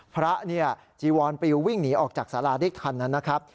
พระจีวรปริววิ่งหนีออกจากศาลานี้ทันนั้นนะครับ